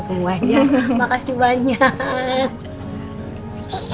semua makasih banyak